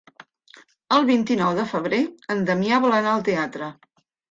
El vint-i-nou de febrer en Damià vol anar al teatre.